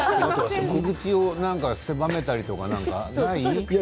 口を狭めたりとかない？